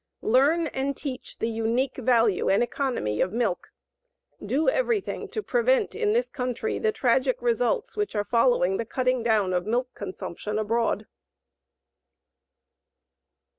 LEARN AND TEACH THE UNIQUE VALUE AND ECONOMY OF MILK. DO EVERYTHING TO PREVENT IN THIS COUNTRY THE TRAGIC RESULTS WHICH ARE FOLLOWING THE CUTTING DOWN OF MILK CONSUMPTION ABROAD.